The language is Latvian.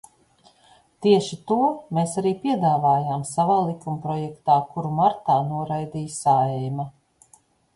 Tieši to mēs arī piedāvājām savā likumprojektā, kuru martā noraidīja Saeima.